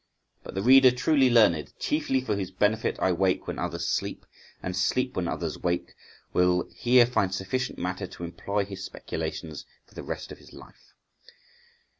But the reader truly learned, chiefly for whose benefit I wake when others sleep, and sleep when others wake, will here find sufficient matter to employ his speculations for the rest of his life.